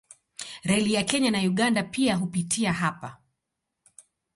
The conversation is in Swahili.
Reli ya Kenya na Uganda pia hupitia hapa.